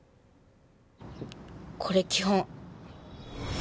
これ基本。